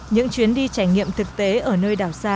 những chuyến đi trải nghiệm thực tế ở nơi đảo xa